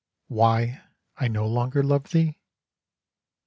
Why I no longer love thee?